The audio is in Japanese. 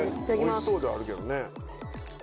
おいしそうではあるけどね。